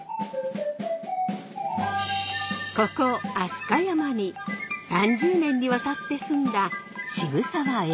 ここ飛鳥山に３０年にわたって住んだ渋沢栄一。